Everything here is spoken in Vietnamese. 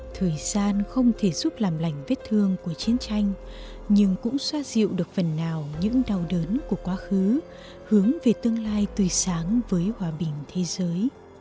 thời gian không thể giúp làm lành vết thương của chiến tranh nhưng cũng xoa dịu được phần nào những đau đớn của quá khứ hướng về tương lai tươi sáng với hòa bình thế giới